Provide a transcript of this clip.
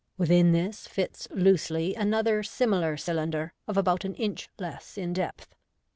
Within this fits loosely another similar cylinder, of about an inch less in depth.